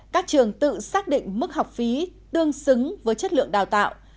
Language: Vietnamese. các trường tự xác định mức học phí tương xứng với chất lượng đào tạo